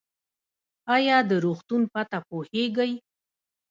ایا د روغتون پته پوهیږئ؟